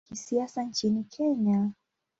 Chama cha kisiasa nchini Kenya.